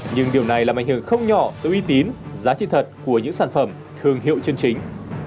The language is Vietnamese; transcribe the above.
nhưng điều này làm ảnh hưởng không nhỏ tới uy tín giá trị thật của những sản phẩm thương hiệu chân chính